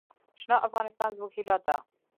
شنه افغانستان زموږ هیله ده.